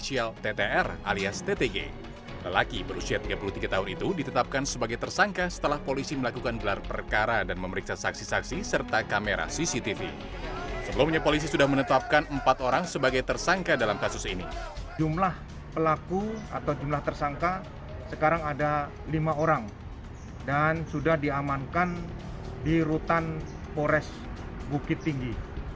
jumlah pelaku atau jumlah tersangka sekarang ada lima orang dan sudah diamankan di rutan pores bukit tinggi